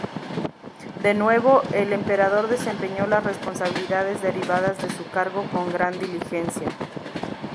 De nuevo, el emperador desempeñó las responsabilidades derivadas de su cargo con gran diligencia.